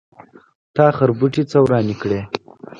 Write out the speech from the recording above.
تا خربوټي څه ورانی کړی.